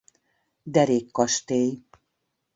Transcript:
Derék kastély.